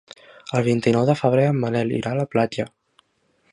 El vint-i-nou de febrer en Manel irà a la platja.